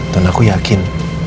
dan aku yakin